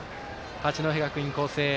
八戸学院光星。